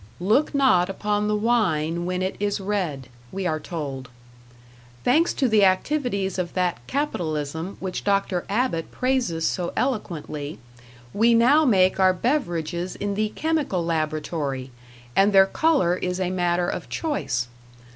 "Look not upon the wine when it is red," we are told. Thanks to the activities of that Capitalism which Dr. Abbott praises so eloquently, we now make our beverages in the chemical laboratory, and their color is a matter of choice.